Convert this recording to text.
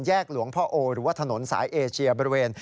หลวงพ่อโอหรือว่าถนนสายเอเชียบริเวณ